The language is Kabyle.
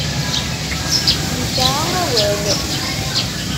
Yesɛa awal.